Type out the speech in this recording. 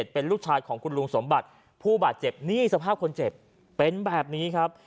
เป็นลูกชายของคุณลุงสมบัติผู้บาดเจ็บนี่สภาพคนเจ็บเป็นแบบนี้ครับ